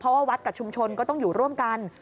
เพราะว่าวัดกับชุมชนก็ต้องอยู่ร่วมกัน